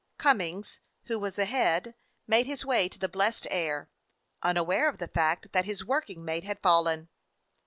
Cummings, who was ahead, made his way to the blessed air, unaware of the fact that his working mate had fallen.